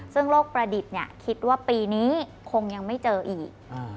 ซึ่งโลกประดิษฐ์คิดว่าปีนี้คงยังไม่เจออีก